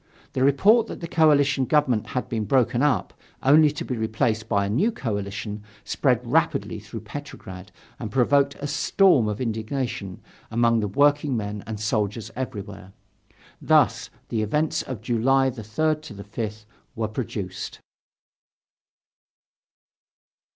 The report that the coalition government had been broken up, only to be replaced by a new coalition, spread rapidly through Petrograd and provoked a storm of indignation among the workingmen and soldiers everywhere. Thus the events of July 3rd 5th were produced.